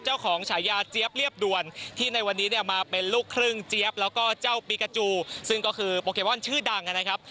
ฉายาเจี๊ยบเรียบด่วนที่ในวันนี้เนี่ยมาเป็นลูกครึ่งเจี๊ยบแล้วก็เจ้าปีกาจูซึ่งก็คือโปเกมอนชื่อดังนะครับ